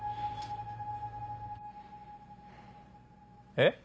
えっ？